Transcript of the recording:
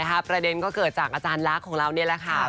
ค่ะนะครับประเด็นก็เกิดจากอาจารย์รักของเรานี่แหละค่ะ